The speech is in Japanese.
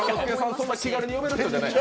そんなに気軽に呼べるわけない。